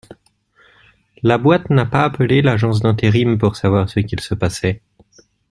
La boîte n’a pas appelé l’agence d’intérim pour savoir ce qu’il se passait.